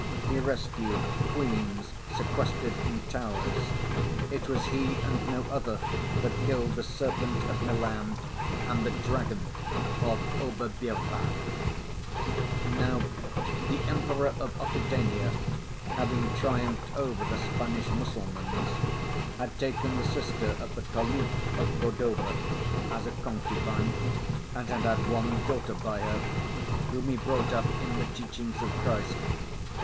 He rescued queens sequestered in towers. It was he and no other that killed the serpent of Milan and the dragon of Oberbirbach. Now, the Emperor of Occitania, having triumphed over the Spanish Mussulmans, had taken the sister of the Caliph of Cordova as a concubine, and had had one daughter by her, whom he brought up in the teachings of Christ.